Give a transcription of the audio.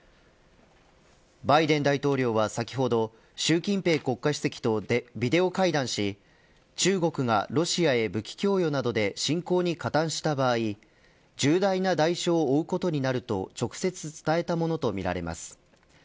バイデン大統領は先ほど習近平国家主席とビデオ会談し中国がロシアへ武器供与や侵攻に加担した場合重大な代償をおうことになると直接伝えたものとみられます。